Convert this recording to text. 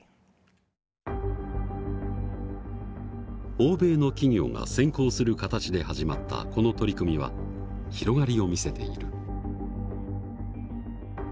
欧米の企業が先行する形で始まったこの取り組みは広がりを見せている。